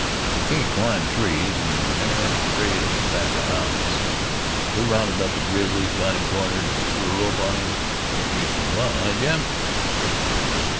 They can't climb trees, and they are not afraid of a pack of hounds. If we rounded up a grizzly, got him cornered, and threw a rope on him there'd be some fun, eh, Jim?"